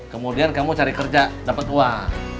kemudian kamu cari kerja dapat uang